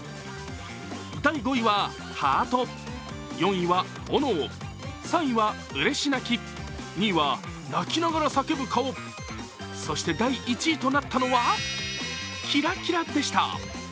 第５位はハート４位は炎３位はうれし泣き、２位は泣きながら叫ぶ顔、そして第１位となったのはキラキラでした。